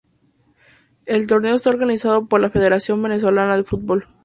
El torneo está organizado por la Federación Venezolana de Fútbol.